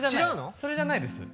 それじゃないです。